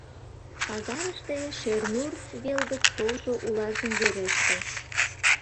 Пазарыште Шернур вел гыч толшо улазым вереште.